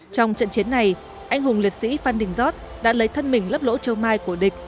trong trận chiến này anh hùng liệt sĩ phan đình giót đã lấy thân mình lấp lỗ châu mai của địch